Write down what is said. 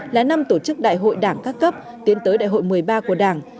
là năm tổ chức đại hội đảng các cấp tiến tới đại hội một mươi ba của đảng